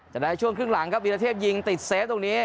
แต่ในช่วงครึ่งหลังครับวีรเทพยิงติดเซฟตรงนี้